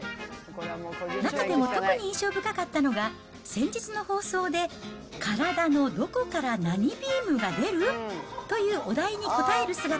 中でも特に印象深かったのが、先日の放送で体のどこから何ビームが出る？というお題に応える姿。